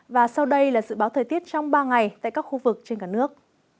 và sau đây là dự báo thời tiết trong ba ngày tại các khu vực trên cả nước